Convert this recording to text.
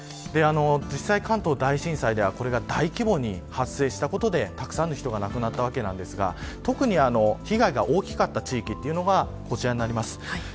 実際、関東大震災ではこれが大規模に発生したことでたくさんの人が亡くなったわけですが、特に被害が大きかった地域というのがこちらです。